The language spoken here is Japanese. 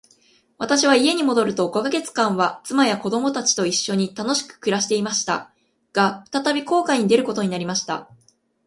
私は家に戻ると五ヵ月間は、妻や子供たちと一しょに楽しく暮していました。が、再び航海に出ることになりました。